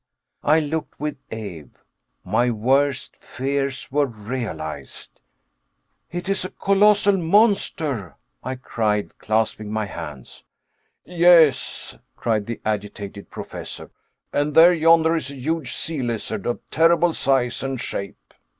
I looked with awe. My worst fears were realized. "It is a colossal monster!" I cried, clasping my hands. "Yes," cried the agitated Professor, "and there yonder is a huge sea lizard of terrible size and shape."